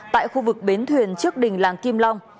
tại khu vực bến thuyền trước đình làng kim long